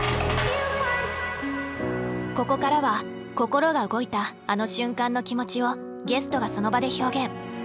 ここからは心が動いたあの瞬間の気持ちをゲストがその場で表現。